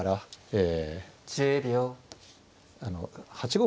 ええ。